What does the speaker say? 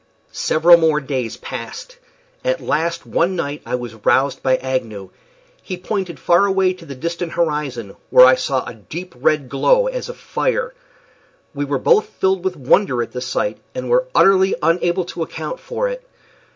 Several more days passed. At last one night I was roused by Agnew. He pointed far away to the distant horizon, where I saw a deep red glow as of fire. We were both filled with wonder at the sight, and were utterly unable to account for it.